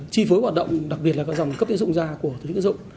chi phối hoạt động đặc biệt là các dòng cấp tiến dụng ra của tổ chức tiến dụng